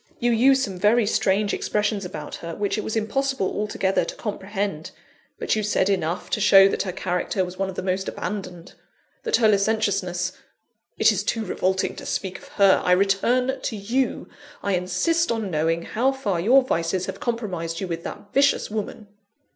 You used some very strange expressions about her, which it was impossible altogether to comprehend; but you said enough to show that her character was one of the most abandoned; that her licentiousness it is too revolting to speak of her I return to you. I insist on knowing how far your vices have compromised you with that vicious woman."